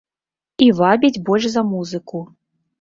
І вабіць больш за музыку.